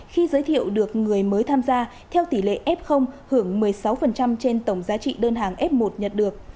khi giới thiệu được người mới tham gia theo tỷ lệ f hưởng một mươi sáu trên tổng giá trị đơn hàng f một nhận được